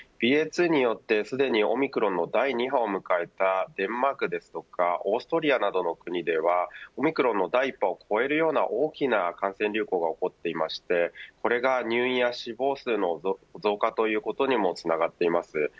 ＢＡ．２によってすでにオミクロンの第２波を迎えたデンマークですとかオーストリアなどの国ではオミクロンの第１波を超えるような大きな感染流行が起こっていましてこれが入院や死亡数の増加ということにもつながっています。